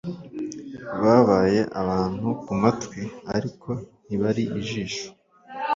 Babaye abantu kumatwi ariko ntibari ijisho